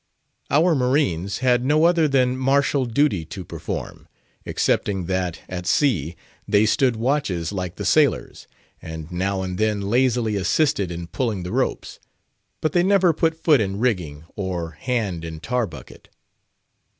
Our marines had no other than martial duty to perform; excepting that, at sea, they stood watches like the sailors, and now and then lazily assisted in pulling the ropes. But they never put foot in rigging or hand in tar bucket.